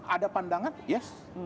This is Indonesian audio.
ada pandangan yes